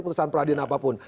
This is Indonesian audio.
putusan peradian apapun